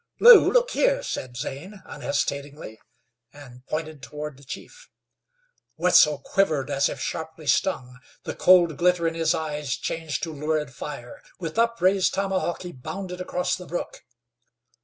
"Lew, look here," said Zane, unhesitatingly, and pointed toward the chief. Wetzel quivered as if sharply stung; the cold glitter in his eyes changed to lurid fire. With upraised tomahawk he bounded across the brook.